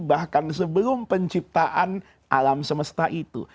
bahkan sebelum penciptaan alam semesta itu